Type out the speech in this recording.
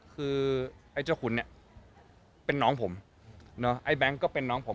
คือไอ้เจ้าขุนเนี่ยเป็นน้องผมไอ้แบงค์ก็เป็นน้องผม